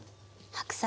白菜。